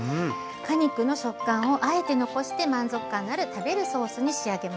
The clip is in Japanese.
果肉の食感をあえて残して満足感のある食べるソースに仕上げました。